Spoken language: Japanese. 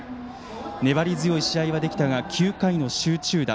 粘り強い試合はできたが９回の集中打